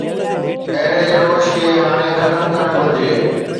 اهڙي روش کي هاڻي ختم ڪرڻ گهرجي.